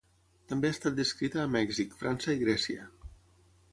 També ha estat descrita a Mèxic, França i Grècia.